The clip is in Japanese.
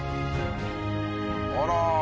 あら。